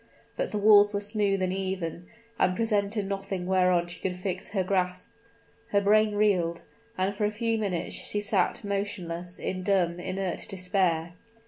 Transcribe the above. But the walls were smooth and even, and presented nothing whereon she could fix her grasp. Her brain reeled, and for a few minutes she sat motionless, in dumb, inert despair.